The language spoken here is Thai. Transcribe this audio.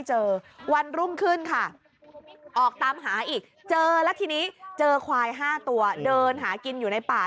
เจอแล้วทีนี้เจอควายห้าตัวเดินหากินอยู่ในป่า